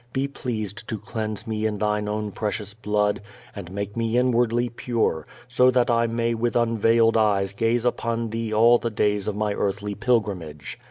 Be pleased to cleanse me in Thine own precious blood, and make me inwardly pure, so that I may with unveiled eyes gaze upon Thee all the days of my earthly pilgrimage.